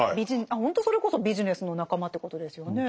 ほんとそれこそビジネスの仲間ってことですよね。